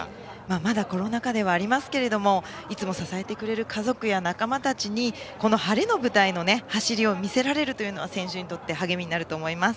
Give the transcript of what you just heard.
まだコロナ禍ではありますけれどもいつも支えてくれる家族や仲間たちにこの晴れの舞台の走りを見せられるのは選手にとって励みになると思います。